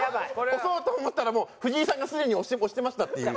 推そうと思ったらもうふじいさんがすでに推してましたっていう。